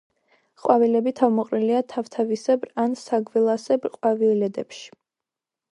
ყვავილები თავმოყრილია თავთავისებრ ან საგველასებრ ყვავილედებში.